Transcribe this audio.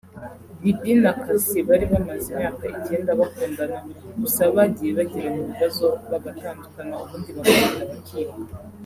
Diddy na Cassie bari bamaze imyaka icyenda bakundana gusa bagiye bagirana ibibazo bagatandukana ubundi bakongera bakiyunga